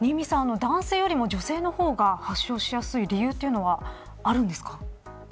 男性よりも女性の方が発症しやすい理由はあるんですか。